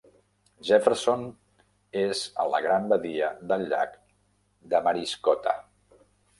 Jefferson és a la Gran Badia del llac Damariscotta.